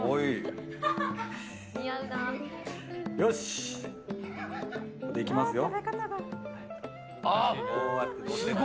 よし、いきますよ。